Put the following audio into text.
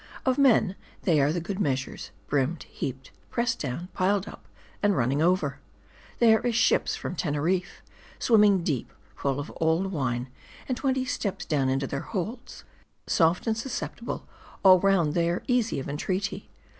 Of men, they are the good meas ures ; brimmed, heaped, pressed down, piled up, and running over. They are as ships from TenerifFe ; swimming deep, full of old wine, and twenty steps down into their holds. Soft and susceptible, all round they are easy of entreaty.